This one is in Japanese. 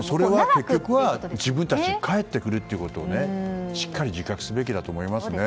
結局自分たちに返ってくるということをしっかり自覚するべきだと思いますけどね。